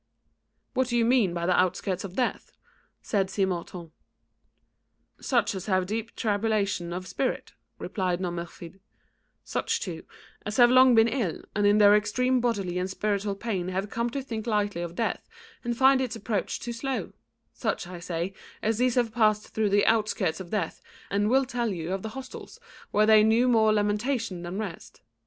"What do you mean by the outskirts of death?" said Simontault. "Such as have deep tribulation of spirit," replied Nomerfide, "such, too, as have long been ill, and in their extreme bodily or spiritual pain have come to think lightly of death and find its approach too slow, such, I say, as these have passed through the outskirts of death and will tell you of the hostels where they knew more lamentation than rest.